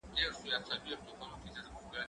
زه پرون د ښوونځی لپاره تياری کوم